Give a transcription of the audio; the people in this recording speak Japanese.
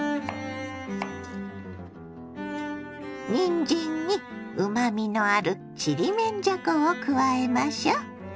にんじんにうまみのあるちりめんじゃこを加えましょ。